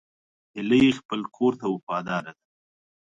هیلۍ خپل کور ته وفاداره ده